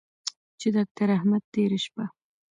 چې داکتر احمد تېره شپه